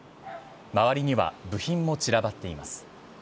周りには部品も散らばっています。